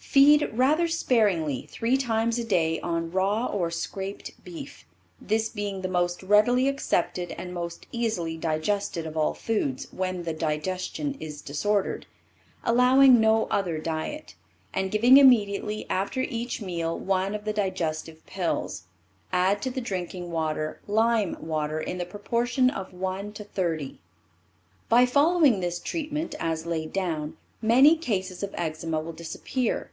Feed rather sparingly three times a day on raw or scraped beef, this being the most readily accepted and most easily digested of all foods when the digestion is disordered, allowing no other diet, and giving immediately after each meal one of the digestive pills. Add to the drinking water lime water in the proportion of one to thirty. By following this treatment as laid down, many cases of eczema will disappear.